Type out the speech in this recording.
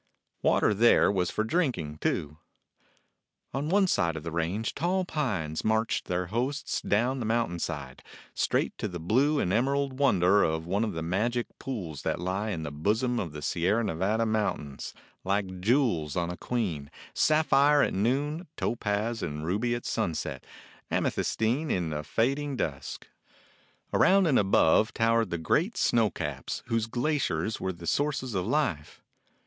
Water there was for drinking, too. On one side of the range tall pines marched their hosts down the mountainside, straight to the blue and emerald wonder of one of those magic pools that lie in the bosom of the Sierra Nevada Mountains, like jewels on a queen; sapphire at noon, topaz and ruby at sunset, amethys tine in the fading dusk. Around and above 9 DOG HEROES OF MANY LANDS towered the great snow caps, whose glaciers were the sources of life.